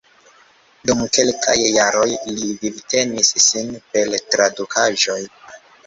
Dum kelkaj jaroj li vivtenis sin per tradukaĵoj.